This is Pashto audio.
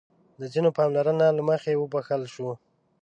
د ځينو پاملرنو له مخې وبښل شو.